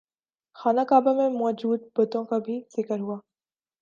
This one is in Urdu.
خانہ کعبہ میں موجود بتوں کا بھی ذکر ہوا